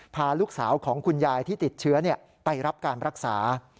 พาลูกสาวของคุณยายที่ติดเชื้อไปรับการรักษา